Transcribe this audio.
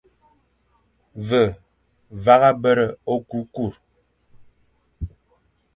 Ve vagha bere okukur,